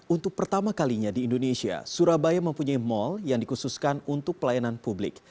untuk pertama kalinya di indonesia surabaya mempunyai mal yang dikhususkan untuk pelayanan publik